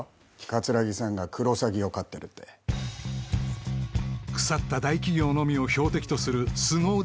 桂木さんがクロサギを飼ってるって腐った大企業のみを標的とする凄腕